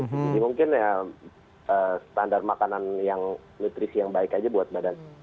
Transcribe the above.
jadi mungkin ya standar makanan yang nutrisi yang baik aja buat badan